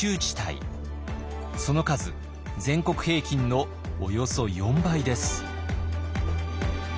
その数全国平均のおよそ４倍です。